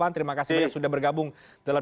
terima kasih banyak sudah bergabung